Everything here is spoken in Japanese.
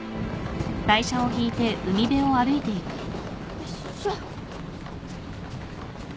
よいしょ！